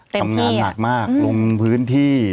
ทำงานหนักมากลงพื้นที่